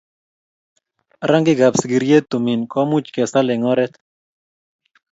rangikab sigiryet tumin komuch kesal eng oret